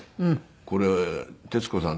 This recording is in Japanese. これ徹子さん